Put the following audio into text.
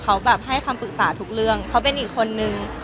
เขาแบบให้คำปรึกษาทุกเรื่องเขาเป็นอีกคนนึง